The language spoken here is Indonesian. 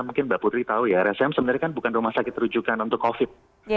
mungkin mbak putri tahu ya rscm sebenarnya bukan rumah sakit rujukan untuk covid sembilan belas